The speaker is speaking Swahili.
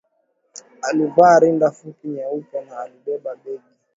Alivaa rinda fupi nyeupe na alibeba begi